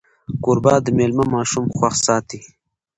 کوربه د میلمه ماشومان خوښ ساتي.